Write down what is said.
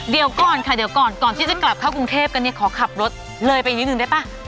เดี๋ยวก่อนค่ะเดี๋ยวก่อนก่อนที่จะกลับเข้ากรุงเทพกันเนี่ยขอขับรถเลยไปนิดนึงได้ป่ะ